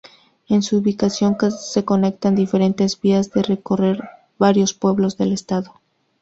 En su ubicación se conectan diferentes vías que recorren varios pueblos del estado.